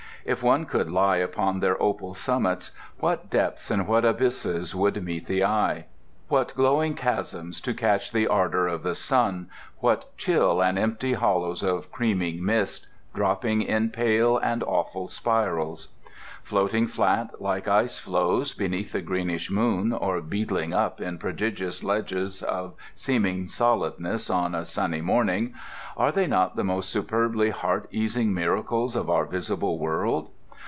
If one could lie upon their opal summits what depths and what abysses would meet the eye! What glowing chasms to catch the ardour of the sun, what chill and empty hollows of creaming mist, dropping in pale and awful spirals. Floating flat like ice floes beneath the greenish moon, or beetling up in prodigious ledges of seeming solidness on a sunny morning—are they not the most superbly heart easing miracles of our visible world?